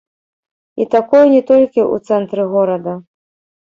І такое не толькі ў цэнтры горада.